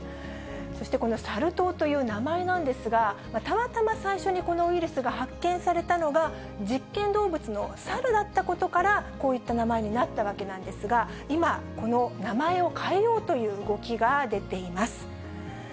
そしてこのサル痘という名前なんですが、たまたま最初にこのウイルスが発見されたのが、実験動物のサルだったことから、こういった名前になったわけなんですが、今、この名前を変えようという動きが出ています。